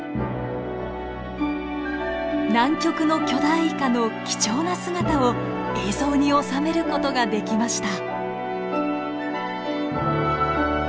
南極の巨大イカの貴重な姿を映像に収める事ができました。